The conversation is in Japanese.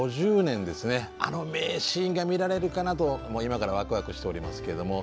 あの名シーンが見られるかなと今からワクワクしておりますけれども。